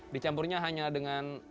dicampurnya hanya dengan